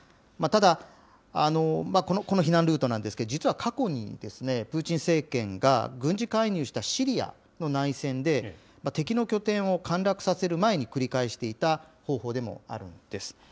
ただ、この避難ルートなんですけれども、実は過去にプーチン政権が軍事介入したシリアの内戦で、敵の拠点を陥落させる前に繰り返していた方法でもあるんです。